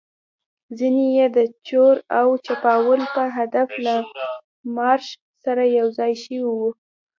ځینې يې د چور او چپاول په هدف له مارش سره یوځای شوي وو.